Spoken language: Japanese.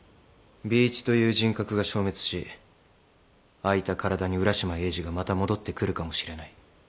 Ｂ一という人格が消滅し空いた体に浦島エイジがまた戻ってくるかもしれない。